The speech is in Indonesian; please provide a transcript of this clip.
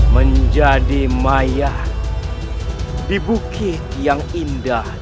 menjadi mayat di bukit yang enak